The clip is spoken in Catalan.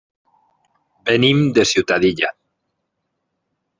Venim de Ciutadilla.